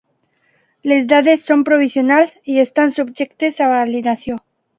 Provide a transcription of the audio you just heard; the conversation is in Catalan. Les dades són provisionals i estan subjectes a validació.